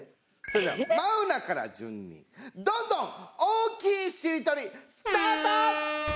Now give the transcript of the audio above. それではマウナから順に「どんどん大きいしりとり」スタート！